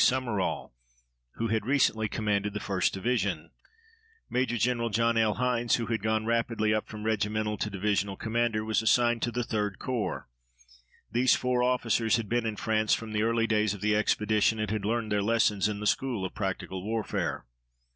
Summerall, who had recently commanded the 1st Division. Major Gen. John L. Hines, who had gone rapidly up from regimental to division commander, was assigned to the 3d Corps. These four officers had been in France from the early days of the expedition and had learned their lessons in the school of practical warfare.